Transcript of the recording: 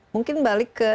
mungkin balik ke